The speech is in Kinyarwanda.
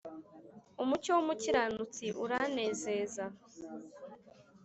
umucyo w’umukiranutsi uranezeza,